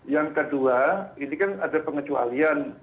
yang kedua ini kan ada pengecualian